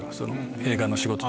映画の仕事。